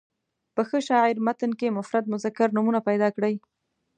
په ښه شاعر متن کې مفرد مذکر نومونه پیدا کړي.